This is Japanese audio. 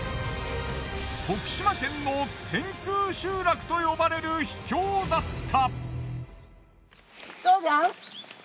徳島県の天空集落と呼ばれる秘境だった。